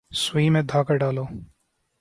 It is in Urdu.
سوئی میں دھاگہ ڈالو